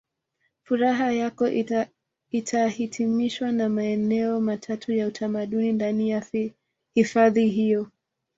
Furaha yako itahitimishwa na maeneo matatu ya utamaduni ndani ya hifadhi hiyo